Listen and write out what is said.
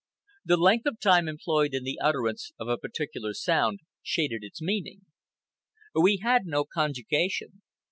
The length of time employed in the utterance of a particular sound shaded its meaning. We had no conjugation.